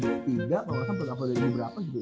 kalo ga salah pun avaldeznya berapa gitu